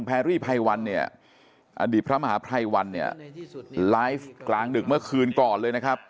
แพรรี่ไพรวันเนี่ยอดีตพระมหาภัยวันเนี่ยไลฟ์กลางดึกเมื่อคืนก่อนเลยนะครับ